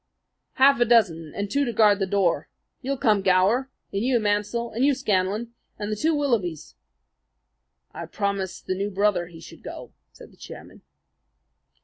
"Half a dozen, and two to guard the door. You'll come, Gower, and you, Mansel, and you, Scanlan, and the two Willabys." "I promised the new brother he should go," said the chairman.